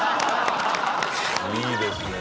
いいですね